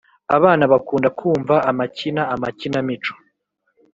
Abana bakunda kumva amakina amakina mico